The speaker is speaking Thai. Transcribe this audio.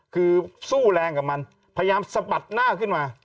คือสู้แรงกับมันพยายามสะบัดหน้าขึ้นมา